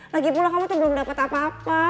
lagipula kamu tuh belum dapet apa apa